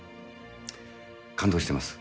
感動してます。